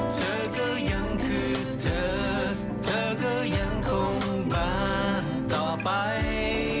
เธอก็ยังคือเธอเธอก็ยังคงมาต่อไป